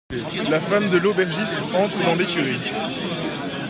La femme de l'aubergiste entre dans l'écurie.